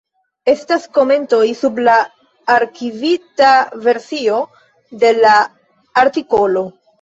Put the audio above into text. Estas komentoj sub la arkivita versio de la artikolo.